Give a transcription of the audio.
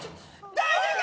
大丈夫か！